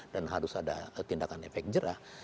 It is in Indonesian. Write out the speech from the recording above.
dan harus ada tindakan efek jerah